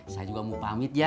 saya juga mau pamit ya